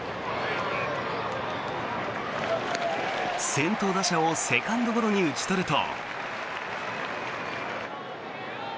先頭打者をセカンドゴロに打ち取ると。